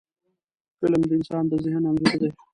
فلم د انسان د ذهن انځور دی